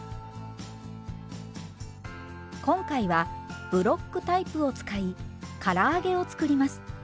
今回はブロックタイプを使いから揚げを作ります。